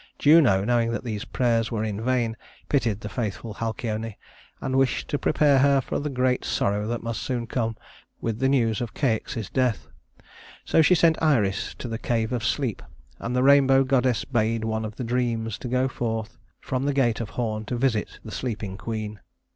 Juno, knowing that these prayers were in vain, pitied the faithful Halcyone, and wished to prepare her for the great sorrow that must soon come with the news of Ceÿx's death. So she sent Iris to the cave of sleep, and the rainbow goddess bade one of the Dreams go forth from the gate of horn to visit the sleeping queen.